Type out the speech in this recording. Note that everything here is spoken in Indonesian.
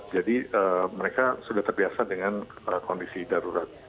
jadi mereka sudah terbiasa dengan kondisi darurat